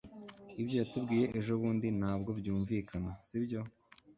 ibyo yatubwiye ejobundi ntabwo byumvikana, sibyo